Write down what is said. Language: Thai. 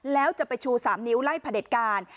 แล้วจะไปชู๓นิ้วไล่พระเด็จการ